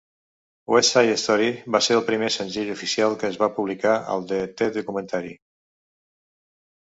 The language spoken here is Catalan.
"Westside Story" va ser el primer senzill oficial que es va publicar de "The Documentary".